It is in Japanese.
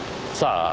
さあ？